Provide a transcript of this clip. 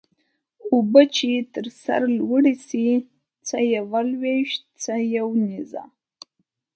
اوبه چې تر سر لوړي سي څه يوه لويشت څه يو نيزه.